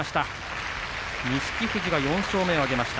富士が４勝目を挙げました。